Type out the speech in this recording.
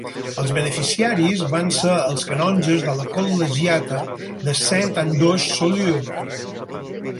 Els beneficiaris van ser els canonges de la Col·legiata de Saint Andoche Saulieu.